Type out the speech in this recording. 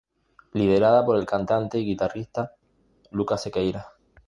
Liderada por el cantante y guitarrista Lucas Sequeira.